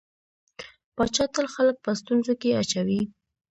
پاچا تل خلک په ستونزو کې اچوي.